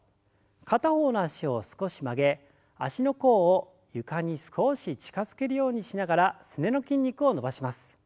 片方の脚を少し曲げ足の甲を床に少し近づけるようにしながらすねの筋肉を伸ばします。